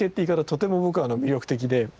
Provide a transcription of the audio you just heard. とても僕は魅力的で。